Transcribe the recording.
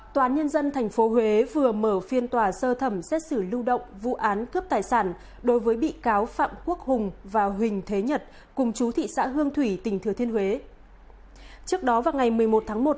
toán nhân dân thành phố huế đã tuyên phạt bị cáo phạm quốc hùng bảy năm sau tháng thủ giam